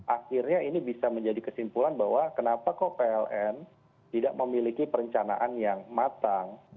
akhirnya ini bisa menjadi kesimpulan bahwa kenapa kok pln tidak memiliki perencanaan yang matang